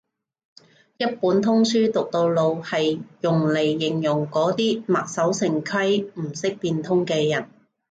一本通書讀到老係用嚟形容嗰啲墨守成規唔識變通嘅人